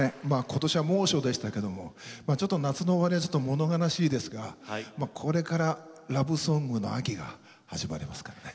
今年は猛暑でしたけどもちょっと夏の終わりはもの悲しいですがこれからラブソングの秋が始まりますからね。